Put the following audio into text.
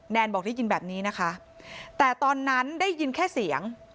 บอกได้ยินแบบนี้นะคะแต่ตอนนั้นได้ยินแค่เสียง